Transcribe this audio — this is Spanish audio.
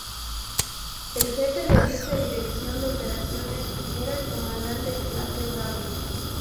El jefe de dicha Dirección de Operaciones era el comandante Flavio Bravo.